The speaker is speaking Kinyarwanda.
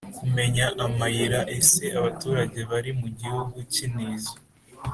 kumenya amayira Ese abaturage bari mu gihugu k intizo